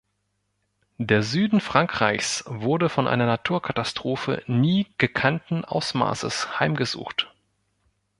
Der Süden Frankreichs wurde von einer Naturkatastrophe nie gekannten Ausmaßes heimgesucht.